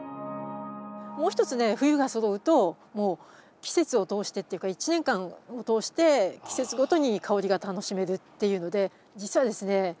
もう一つね冬がそろうともう季節を通してっていうか一年間を通して季節ごとに香りが楽しめるっていうのでじつはですね